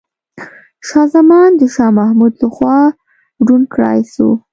شاه زمان د شاه محمود لخوا ړوند کړاي سو.